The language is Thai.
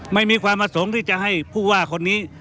ไม่มีความอสงที่จะให้ผู้ว่าคนนี้